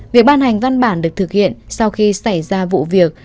việc ban hành văn bản được thực hiện sau khi xảy ra vụ việc